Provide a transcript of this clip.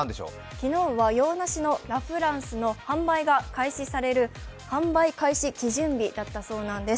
昨日は洋梨のラ・フランスの販売が開始される販売開始基準日だったんです。